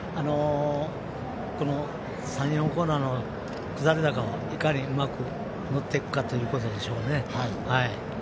３４コーナーの下り坂をいかにうまく乗っていくかということでしょうね。